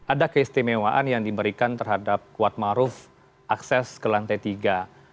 ada keistimewaan yang diberikan terhadap kuatmaruf akses ke lantai tiga